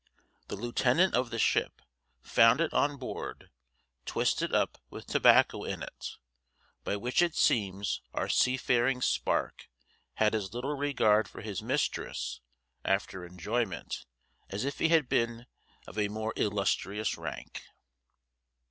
The lieutenant of the ship found it on board, twisted up with tobacco in it, by which it seems our seafaring spark had as little regard for his mistress, after enjoyment, as if he had been of a more illustrious rank.